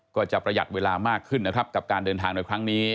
ประหยัดเวลามากขึ้นนะครับกับการเดินทางในครั้งนี้